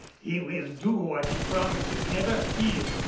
He will do what he promises, never fear.